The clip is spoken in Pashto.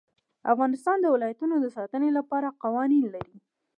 افغانستان د ولایتونو د ساتنې لپاره قوانین لري.